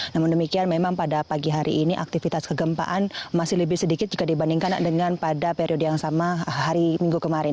namun demikian memang pada pagi hari ini aktivitas kegempaan masih lebih sedikit jika dibandingkan dengan pada periode yang sama hari minggu kemarin